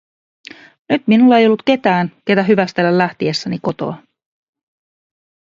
Nyt minulla ei ollut ketään, ketä hyvästellä lähtiessäni kotoa.